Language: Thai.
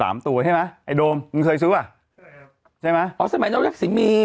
อ๋อสมัยนักลักษณ์มี